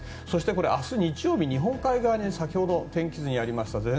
そして、明日日曜日日本海側に先ほどの天気図にありました